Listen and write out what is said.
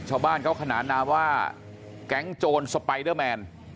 ชาวบ้านเขาขนานนามว่าแก๊งโจรสไปเดอร์แมน